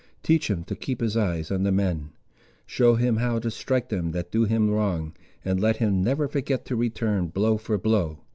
Teach him to keep his eyes on the men. Show him how to strike them that do him wrong, and let him never forget to return blow for blow.